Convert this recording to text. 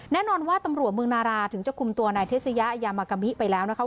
แน่นอนว่าตำรวจเมืองนาราถึงจะคุมตัวนายเทศยายามากามิไปแล้วนะคะ